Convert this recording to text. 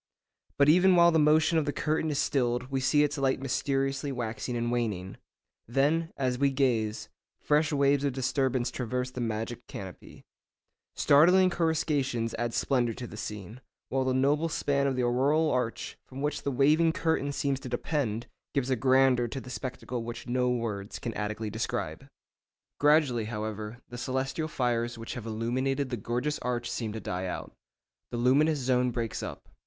But even while the motion of the curtain is stilled we see its light mysteriously waxing and waning. Then, as we gaze, fresh waves of disturbance traverse the magic canopy. Startling coruscations add splendour to the scene, while the noble span of the auroral arch, from which the waving curtain seems to depend, gives a grandeur to the spectacle which no words can adequately describe. Gradually, however, the celestial fires which have illuminated the gorgeous arch seem to die out. The luminous zone breaks up.